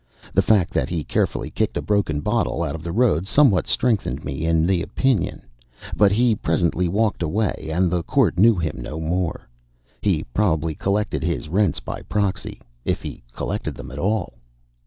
The fact that he carefully kicked a broken bottle out of the road somewhat strengthened me in the opinion. But he presently walked away, and the court knew him no more. He probably collected his rents by proxy if he collected them at all.